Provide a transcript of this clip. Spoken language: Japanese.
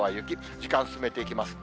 時間を進めていきます。